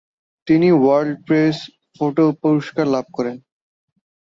তিনি world press photo পুরস্কার লাভ করেন।